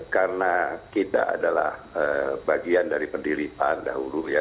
karena kita adalah bagian dari pendiri pan dahulu ya